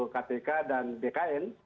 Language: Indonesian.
kpk dan bkn